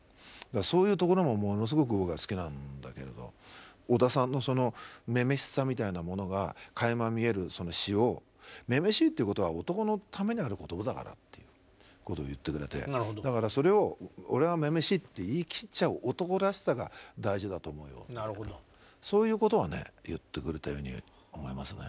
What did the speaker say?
そういうところもものすごく僕は好きなんだけど小田さんの女々しさみたいなものがかいま見えるその詩をっていうことを言ってくれてだからそれを俺は女々しいって言い切っちゃう男らしさが大事だと思うよみたいなそういうことは言ってくれたように思いますね。